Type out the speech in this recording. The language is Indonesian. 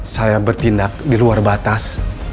saya bertindak di luar batas